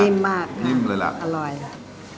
นิ่มมากนิ่มเลยละอร่อยละ